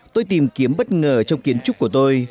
tôi tìm kiếm bất ngờ trong kiến trúc của tôi